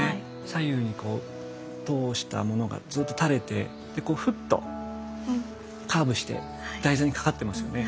左右に通したものがずっと垂れてふっとカーブして台座にかかってますよね。